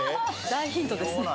大ヒントですね